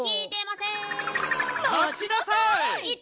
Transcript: まちなさい！